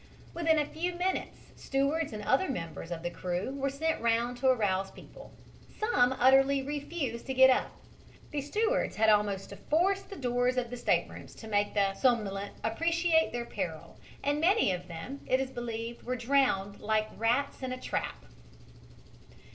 Within a few minutes stewards and other members of the crew were sent round to arouse the people. Some utterly refused to get up. The stewards had almost to force the doors of the staterooms to make the somnolent appreciate their peril, and many of them, it is believed, were drowned like rats in a trap.